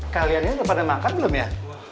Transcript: kalian ini pada makan belum ya